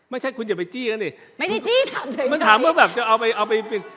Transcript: ไม่ใช่คุณอย่าไปจี้กันดิไม่ได้จี้ถามเฉยมันถามว่าแบบจะเอาไปเอาไปเป็น